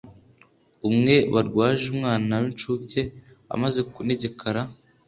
umwe barwaje umwana w’inshuke amaze kunegekara